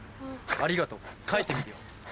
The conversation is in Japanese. ありがとう書いてみるよ。